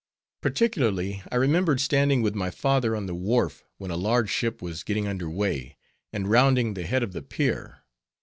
Particularly, I remembered standing with my father on the wharf when a large ship was getting under way, and rounding the head of the pier.